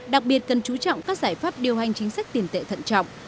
đặc biệt cần chú trọng các giải pháp điều hành chính sách tiền tệ thận trọng